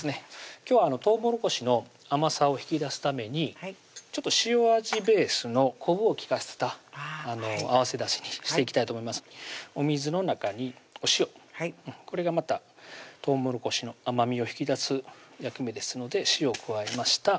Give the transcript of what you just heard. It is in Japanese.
今日はとうもろこしの甘さを引き出すために塩味ベースの昆布を利かせた合わせだしにしていきたいと思いますお水の中にお塩はいこれがまたとうもろこしの甘みを引き出す役目ですので塩を加えました